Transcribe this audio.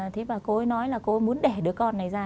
thế và cô ấy nói là cô muốn đẻ đứa con này ra